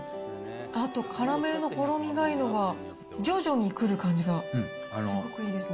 あとカラメルのほろ苦いのが、徐々にくる感じがすごくいいですね。